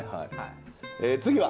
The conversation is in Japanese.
次は？